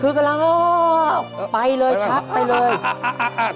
คือกำลังง้อไปเลยชักไปเลย